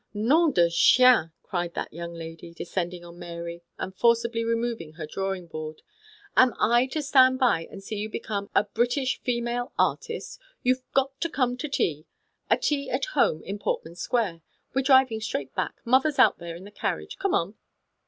" Nam de Dim !" whispered that young lady, descending on Mary and forcibly remov ing her drawing board ;" am I to stand by and see you become a British female artist ? You've got to come to a tea — a tea at home in Portman Square. We're driving straight back. Mother's out there in the carriage. Come on."